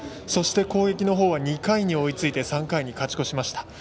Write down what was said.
そして、攻撃のほうは２回に追いついて３回に勝ち越しました。